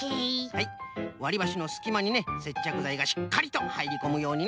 はいわりばしのすきまにねせっちゃくざいがしっかりとはいりこむようにね。